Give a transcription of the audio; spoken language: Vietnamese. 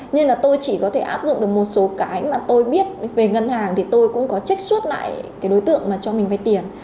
nhưng là tôi chỉ có thể áp dụng được một số cái mà tôi biết về ngân hàng thì tôi cũng có check suốt lại cái đối tượng mà cho mình vây tiền